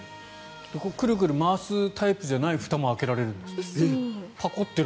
くるくる回すタイプじゃないふたも開けられるんですって。